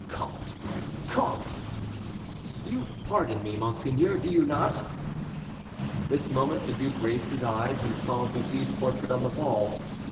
'" "Comte! comte!" "You pardon me, monseigneur, do you not?" At this moment the duke raised his eyes, and saw Bussy's portrait on the wall.